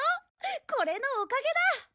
これのおかげだ！